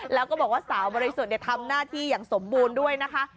แล้วก็บอกว่าสาวบริสุทธิ์ทำหน้าที่อย่างสมบูรณ์ด้วยนะคะ